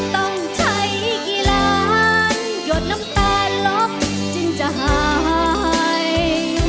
ต้องใช้กี่ล้านหยดน้ำตาลล็อกจึงจะหาย